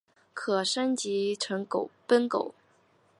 可升级成奔狗。